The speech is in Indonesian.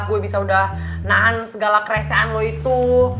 gue bisa udah nahan segala keresahan lo itu